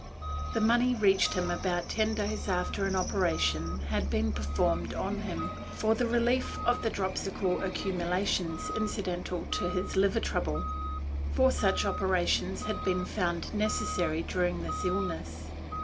The money reached him about ten days after an operation had been performed on him for the relief of the dropsical accumulations incidental to his liver trouble. Four such operations had been found necessary during this illness.